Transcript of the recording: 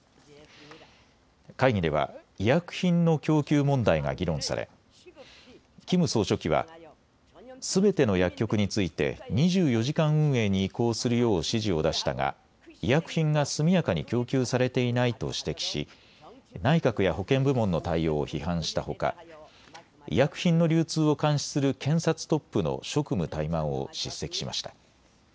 会議では医薬品の供給問題が議論されキム総書記はすべての薬局について２４時間運営に移行するよう指示を出したが医薬品が速やかに供給されていないと指摘し内閣や保健部門の対応を批判したほか医薬品の流通を監視する検察トップの職務怠慢を叱責しました。